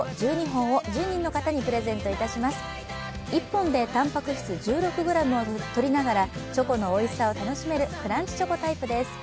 １本でたんぱく質１６ｇをとりながらチョコのおいしさを楽しめるクランチチョコタイプです。